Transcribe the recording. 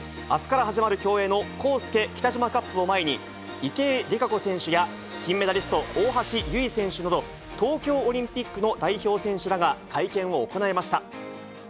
あすから始まる競泳のコースケ・キタジマカップを前に、池江璃花子選手や金メダリスト、大橋悠依選手など、東京オリンピックの代表選手らが会見を行いました。